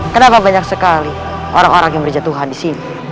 kenapa banyak sekali orang orang yang berjatuhan di sini